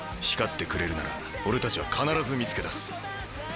光ってくれるなら俺たちは必ず見つけ出す。